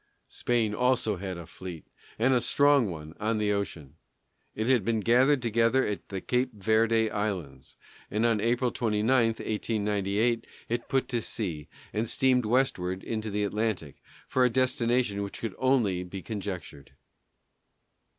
Spain also had a fleet, and a strong one, on the ocean. It had been gathered together at the Cape Verde Islands, and on April 29, 1898, it put to sea, and steamed westward into the Atlantic, for a destination which could only be conjectured.